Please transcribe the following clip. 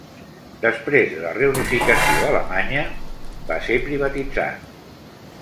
Després de la reunificació alemanya va ser privatitzat.